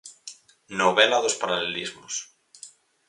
Novela dos paralelismos.